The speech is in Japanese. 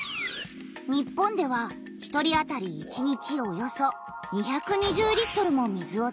日本では１人あたり１日およそ２２０リットルも水を使っている。